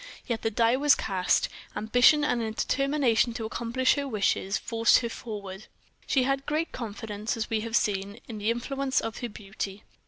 Yet the die was cast; ambition and a determination to accomplish her wishes forced her forward. She had great confidence, as we have seen, in the influence of her beauty.